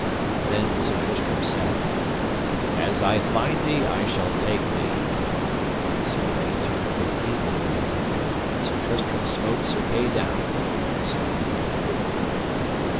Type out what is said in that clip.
Then Sir Tristram said: As I find thee I shall take thee. Then Sir Kay turned with evil will, and Sir Tristram smote Sir Kay down, and so he rode forth.